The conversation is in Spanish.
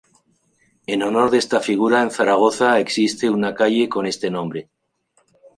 En honor de esta figura, en Zaragoza existe una calle con este nombre.